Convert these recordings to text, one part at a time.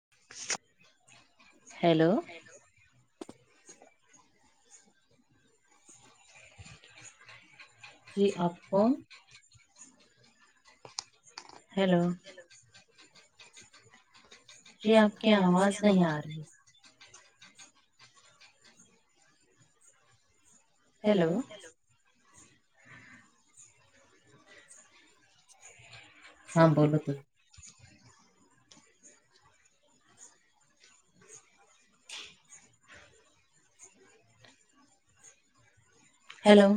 [unintelligible] Hello. कि आपकोण? Hello जी आपकी आवाज नाही आ रही? हॅलो हां बोला ताई हॅलोॅ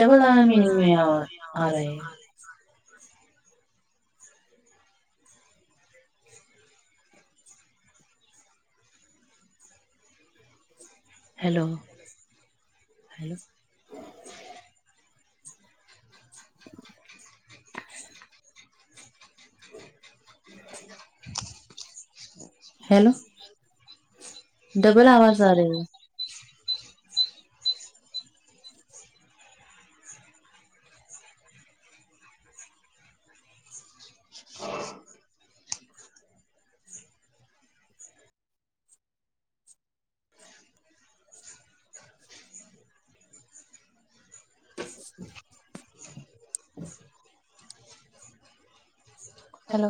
डबल मीनिंग मे आ र? हॅलो हॅलो [inaudible] [inaudible] हॅलो डबल आवाज आरे? [inaudible] [inaudible] हॅलो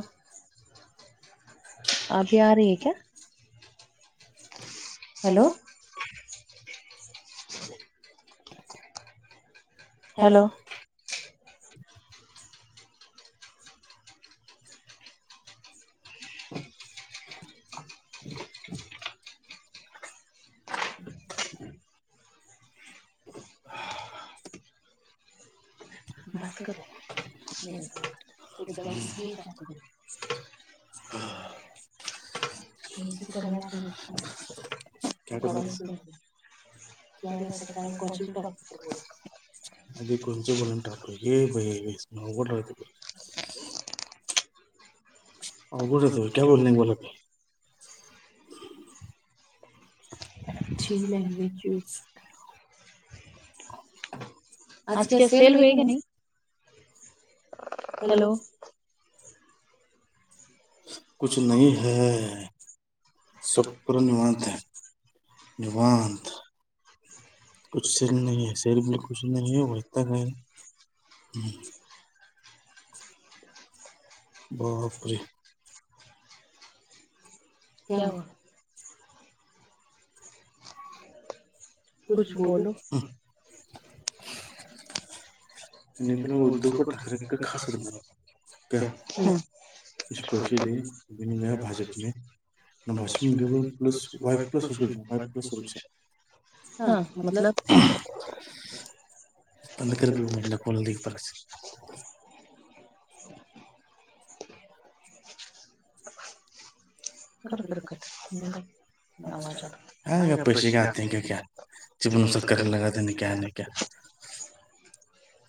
अभी आ रही है क्या? [inaudible] हॅलो [inaudible] हॅलो बस् कर [unintelligible] [unintelligible] [unintelligible] [unintelligible] हे भाई इसमे अवघड राहते कुछ? [unintelligible] [unintelligible] आज क्या सेल होय की नहीं? हॅलो [unintelligible] निवांत. [unintelligible] [unintelligible] बापरे! [unintelligible] [unintelligible] [unintelligible] [unintelligible] [unintelligible] [unintelligible] [unintelligible] कर, कर, कर [unintelligible] [unintelligible] [inaudible]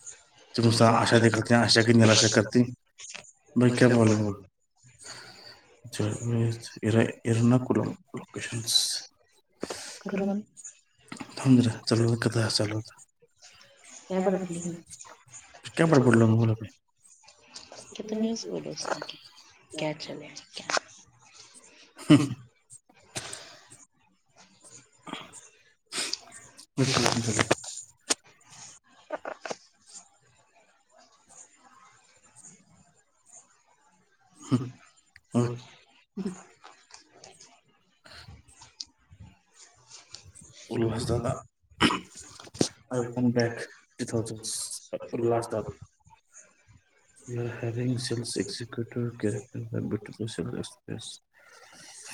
[unintelligible] [unintelligible] [unintelligible] थांब जरा चालू [unintelligible] [unintelligible] [unintelligible] [inaudible] [unintelligible] [inaudible] [unintelligible] [unintelligible] आय वन बॅक [unintelligible] [unintelligible]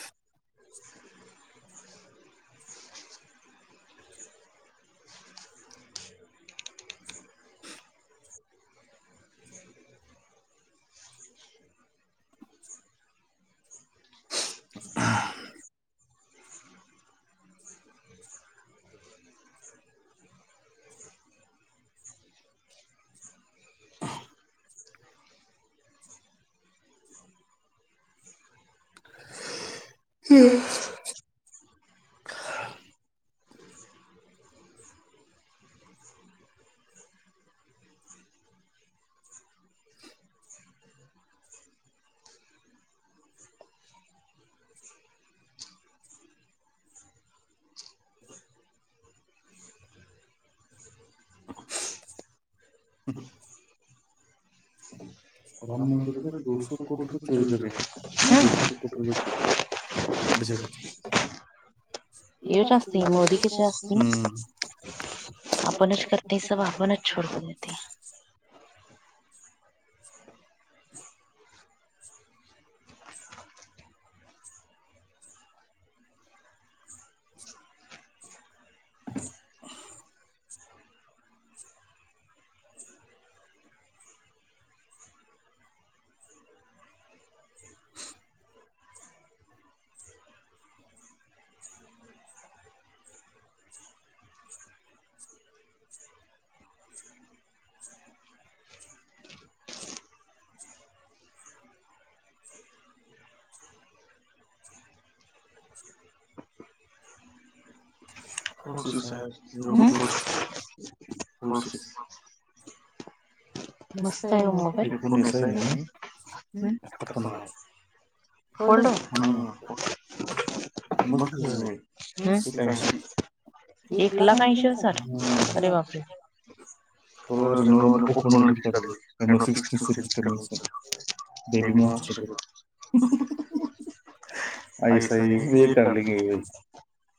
[inaudible] [inaudible] हम्म. [unintelligible] [unintelligible] [unintelligible] [unintelligible] [unintelligible] [unintelligible] [unintelligible] [unintelligible] [unintelligible] [unintelligible] [unintelligible] [inaudible] [unintelligible]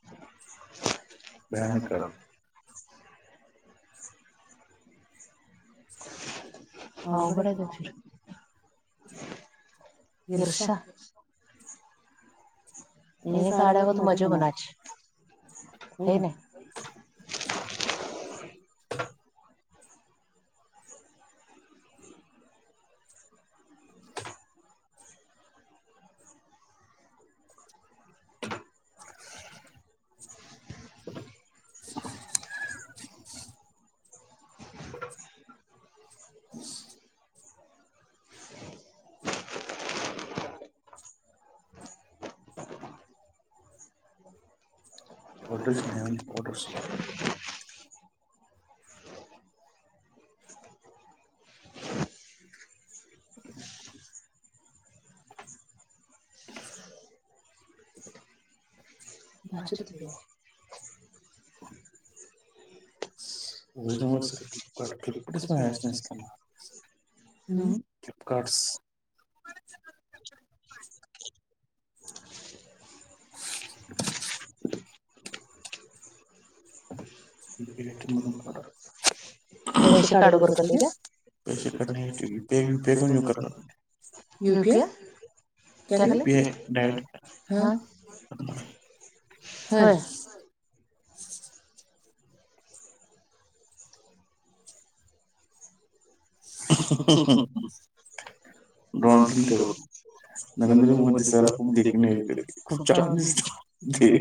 भँंकर [inaudible] औगड हाय बघ तुज. ईरशा नाही काढावर तू मजा होणारची हे ना [inaudible] [unintelligible] [inaudible] [inaudible] पॉडर्स नन पॉर्डर्स [unintelligible] [inaudible] [unintelligible] बचत करे ओरिज फ्लिपकार्ट फ्लपकारस [unintelligible] हम्म फ्लिपकार्ट्स [inaudible] णून काढ कर [inaudible] पैसे यणार [inaudible] [inaudible] हम. [inaudible] डॉ द [inaudible] नरेंद्र मोदी सला खूप देख खूप छान दिसत एी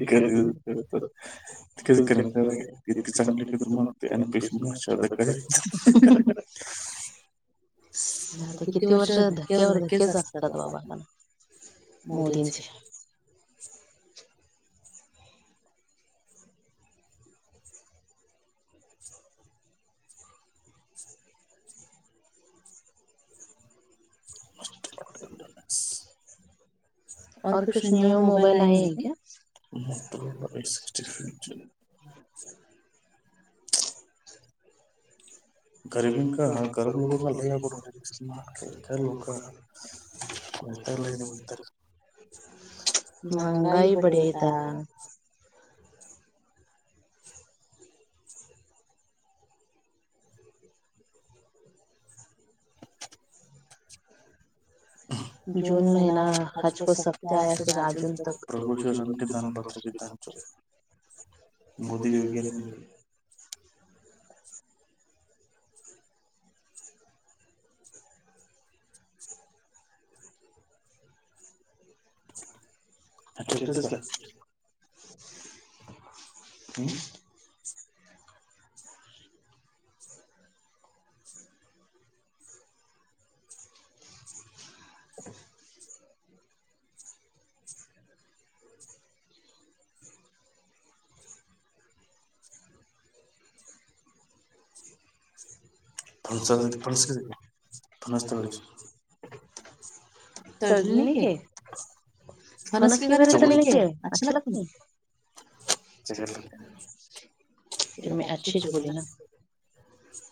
हम किती वर्ष धक्क्यावर धक्केच असतात मला मोदीजी मस्तड औ कुछ new mobile I am sick फ गरीब गरीब लोक का लोक बत [inaudible] महगाई बढता [inaudible] [unintelligible] जून महिना आजक सत्य आहे असं राज प्रभू शरण की दनपत्र कि [inaudible] मोदी योगी [unintelligible] [inaudible] [inaudible] [unintelligible] तळलेली हे [inaudible] [inaudible]